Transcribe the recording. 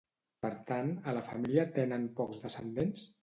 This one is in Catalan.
Per tant, a la família tenen pocs descendents?